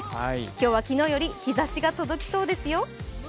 今日は昨日より日ざしが届きそうですよ。